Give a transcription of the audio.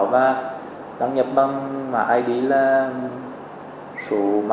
và đăng nhập mạng id là mạng số thuế của doanh nghiệp và mật khẩu là số điện thoại